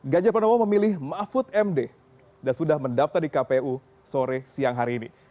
ganjar pranowo memilih mahfud md dan sudah mendaftar di kpu sore siang hari ini